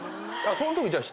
そのときじゃあ。